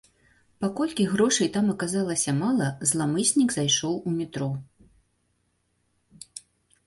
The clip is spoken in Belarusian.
Паколькі грошай там аказалася мала, зламыснік зайшоў у метро.